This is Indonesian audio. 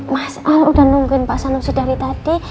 mas al udah nungguin pak sanusi dari tadi